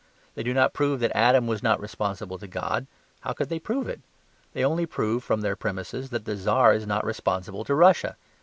They do not prove that Adam was not responsible to God; how could they prove it? They only prove (from their premises) that the Czar is not responsible to Russia.